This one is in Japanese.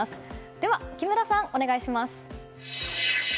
では木村さん、お願いします。